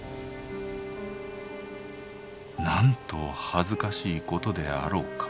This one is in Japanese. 「なんと恥ずかしいことであろうか。